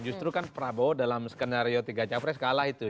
justru kan prabowo dalam skenario tiga capres kalah itu